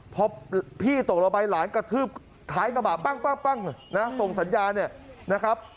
พอพี่ตกลงไปหลานกระทืบท้ายกระบะปั้งนะส่งสัญญาเนี่ยนะครับ